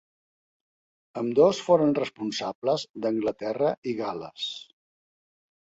Ambdós foren responsables d'Anglaterra i Gal·les.